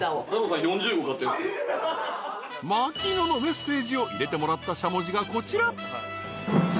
［槙野のメッセージを入れてもらったしゃもじがこちら］